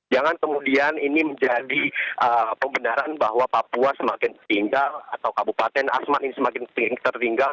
jangan kemudian ini menjadi pembenaran bahwa papua semakin tertinggal atau kabupaten asmat ini semakin tertinggal